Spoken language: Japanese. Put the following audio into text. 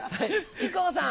木久扇さん。